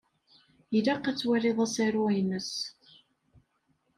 Ilaq ad twaliḍ asaru-ines.